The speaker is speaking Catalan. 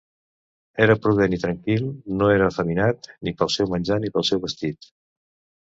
Era prudent i tranquil, no era efeminat ni pel seu menjar ni pel seu vestit.